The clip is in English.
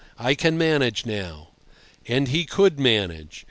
I can manage now." And he could manage.